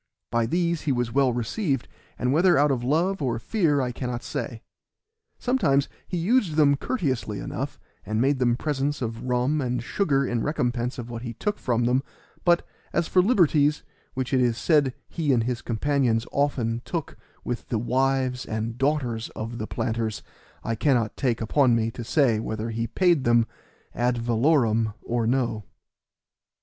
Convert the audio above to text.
By these he was well received, but whether out of love or fear I cannot say. Sometimes he used them courteously enough, and made them presents of rum and sugar in recompense of what he took from them; but, as for liberties, which it is said he and his companions often took with the wives and daughters of the planters, I cannot take upon me to say whether he paid them ad valorem or no.